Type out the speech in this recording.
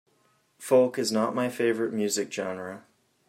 Folk is not my favorite music genre.